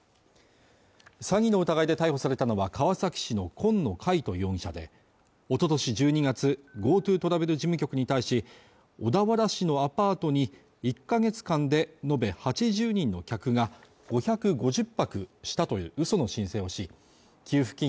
詐欺の疑いで逮捕されたのは川崎市の紺野海斗容疑者でおととし１２月ＧｏＴｏトラベル事務局に対し小田原市のアパートに１か月間で延べ８０人の客が５５０泊したという、うその申請をし給付金